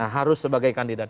harus sebagai kandidat